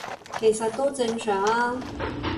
其實都正常吖